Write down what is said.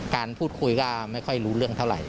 การพูดคุยก็ไม่ค่อยรู้เรื่องเท่าไหร